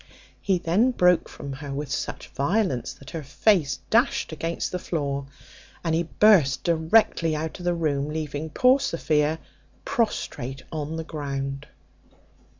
He then broke from her with such violence, that her face dashed against the floor; and he burst directly out of the room, leaving poor Sophia prostrate on the ground.